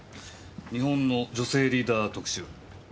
「日本の女性リーダー特集」？